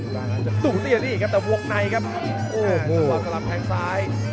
ตรงนั้นจะตุ้นเรียนอีกครับแต่วงในครับโอ้โหสำหรับสลัมแทงซ้าย